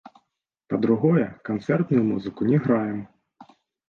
Па-другое, канцэртную музыку не граем.